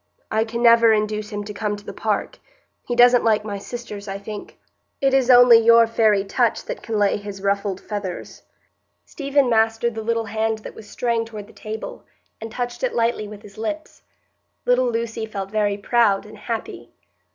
I can never induce him to come to the park; he doesn't like my sisters, I think. It is only your faëry touch that can lay his ruffled feathers." Stephen mastered the little hand that was straying toward the table, and touched it lightly with his lips. Little Lucy felt very proud and happy.